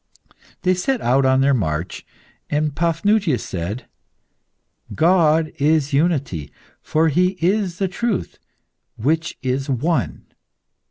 They set out on their march, and Paphnutius said "God is unity, for He is the truth, which is one.